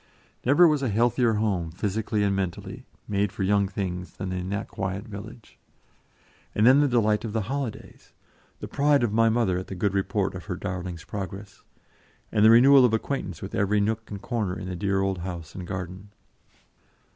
Never was a healthier home, physically and mentally, made for young things than in that quiet village. And then the delight of the holidays! The pride of my mother at the good report of her darling's progress, and the renewal of acquaintance with every nook and corner in the dear old house and garden.